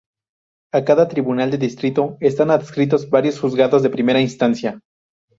A cada Tribunal de Distrito están adscritos varios Juzgados de Primera Instancia.